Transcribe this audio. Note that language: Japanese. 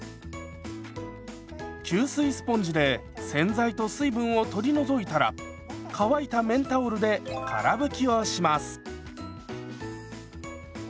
吸水スポンジで洗剤と水分を取り除いたら乾いた綿タオルでから拭きをします。